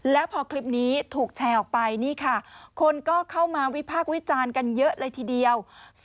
แล้วพอคลิปนี้ถูกแชร์ออกไปนี่ค่ะคนก็เข้ามาวิพากษ์วิจารณ์กันเยอะเลยทีเดียว